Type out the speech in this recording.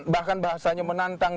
bahkan bahasanya menantang